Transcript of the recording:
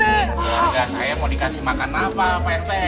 enggak saya mau dikasih makan apa pak rt